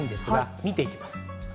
見ていきます。